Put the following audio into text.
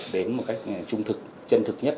đến một cách chung thực chân thực nhất